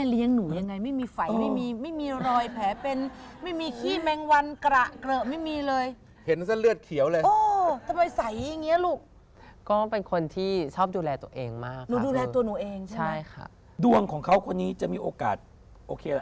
เราเป็นเจ้าพาทุกปีเนอะใช่ค่ะเออ